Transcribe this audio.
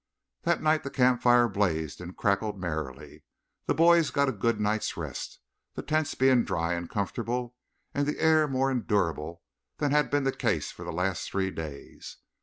That night the campfire blazed and crackled merrily. The boys got a good night's rest, the tents being dry and comfortable and the air more endurable than had been the case for the last three days.